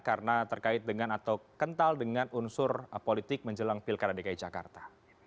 karena terkait dengan atau kental dengan unsur politik menjelang pilkara dki jakarta